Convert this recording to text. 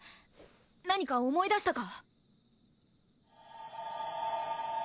何か思い出したか？